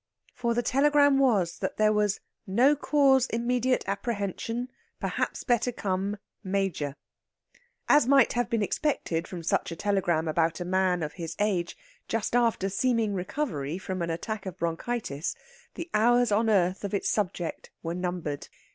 For the telegram was that there was "no cause immediate apprehension; perhaps better come Major." As might have been expected from such a telegram about a man of his age, just after seeming recovery from an attack of bronchitis, the hours on earth of its subject were numbered.